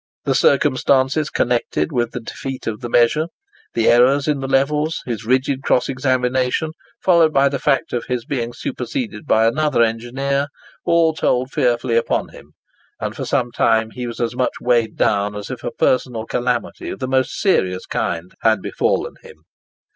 The circumstances connected with the defeat of the measure, the errors in the levels, his rigid cross examination, followed by the fact of his being superseded by another engineer, all told fearfully upon him, and for some time he was as much weighed down as if a personal calamity of the most serious kind had befallen him.